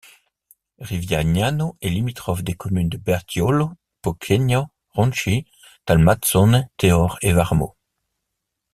Rivignano est limitrophe des communes de Bertiolo, Pocenia, Ronchis, Talmassons, Teor et Varmo.